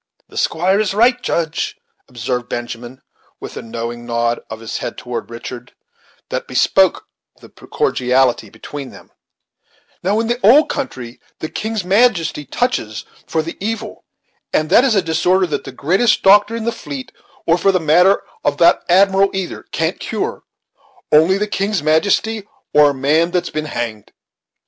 "The squire is right, Judge," observed Benjamin, with a knowing nod of his head toward Richard, that bespoke the cordiality between them, "Now, in the old country, the king's majesty touches for the evil, and that is a disorder that the greatest doctor in the fleet, or for the matter of that admiral either: can't cure; only the king's majesty or a man that's been hanged.